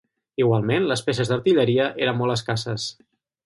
Igualment, les peces d'artilleria eren molt escasses.